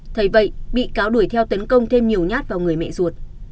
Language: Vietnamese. thấy vậy bị cáo đuổi theo tấn công thêm nhiều nhát vào người mẹ ruột